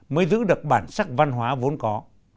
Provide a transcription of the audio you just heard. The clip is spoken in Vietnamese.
mới giữ được bản sắc văn hóa vốn có